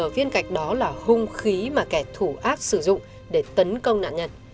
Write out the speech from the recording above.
viên gạch đó là hung khí mà kẻ thù ác sử dụng để tấn công nạn nhân